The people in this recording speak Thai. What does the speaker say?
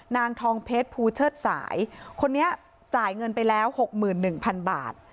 นางทองเพชรภูเชิดสายคนนี้จ่ายเงินไปแล้วหกหมื่นหนึ่งพันบาท